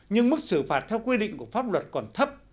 nhưng mức xử phạt theo quy định của pháp luật còn thấp